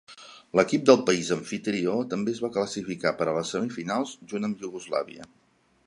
L'equip del país amfitrió també es va classificar per a les semifinals junt amb Iugoslàvia.